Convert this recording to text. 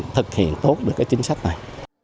thực hiện tốt được chính sách này